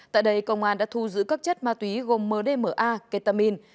tại đây công an đã thu giữ các chất ma túy gồm mdma ketamin